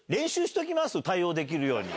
対応できるように。